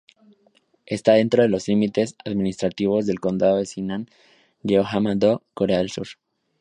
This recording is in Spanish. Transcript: Está dentro de los límites administrativos del condado de Sinan, Jeollanam-do, Corea del Sur.